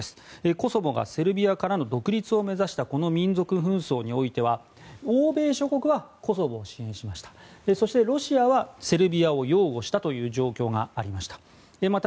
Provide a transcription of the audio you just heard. コソボがセルビアからの独立を目指したこの民族紛争においては欧米諸国はコソボを支援しそして、ロシアはセルビアを擁護したという状況でした。